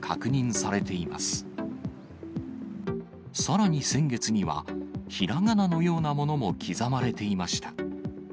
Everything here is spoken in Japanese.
さらに先月には、ひらがなのようなものも刻まれていました。